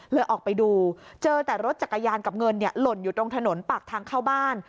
ออกไปดูเจอแต่รถจักรยานกับเงินหล่นอยู่ตรงถนนปากทางเข้าบ้าน